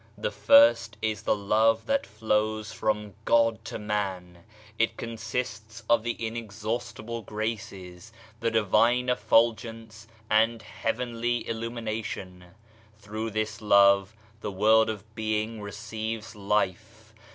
The first is the love that flows from God to man ; it consists of the inexhaustible graces, the Divine effulgence and heavenly illumination. Through this love the world of being receives life.